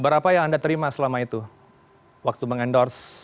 berapa yang anda terima selama itu waktu mengendorse